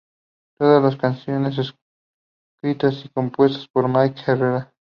Todas las canciones escritas y compuestas por Mike Herrera.